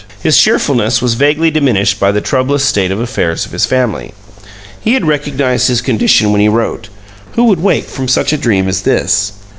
His cheerfulness was vaguely diminished by the troublous state of affairs of his family. He had recognized his condition when he wrote, "Who would wake from such a dream as this?"